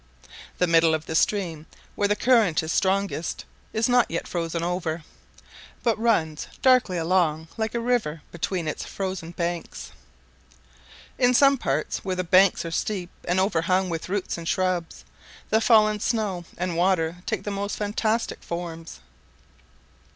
The middle of the stream, where the current is strongest, is not yet frozen over, but runs darkly along like a river between its frozen banks. In some parts where the banks are steep and overhung with roots and shrubs, the fallen snow and water take the most fantastic forms.